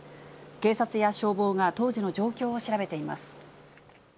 警察や消防が当時の状況を調べています。